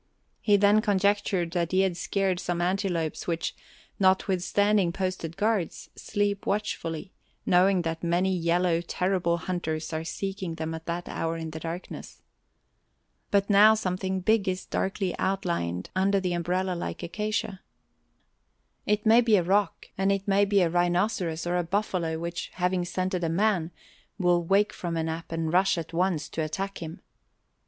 He then conjectured that he had scared some antelopes which, notwithstanding posted guards, sleep watchfully, knowing that many yellow, terrible hunters are seeking them at that hour in the darkness. But now something big is darkly outlined under the umbrella like acacia. It may be a rock and it may be a rhinoceros or a buffalo which, having scented a man, will wake from a nap and rush at once to attack him.